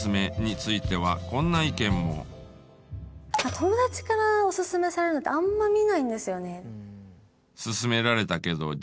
友達からオススメされるのってあんまり見ないんですよね。